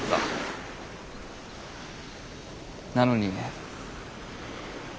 なのに。